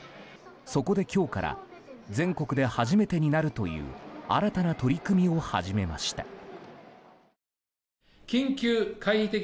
そこで、今日から全国で初めてになるという新たな取り組みを始めました。